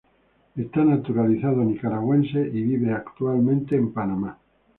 Está naturalizado nicaragüense y vive actualmente en Panamá.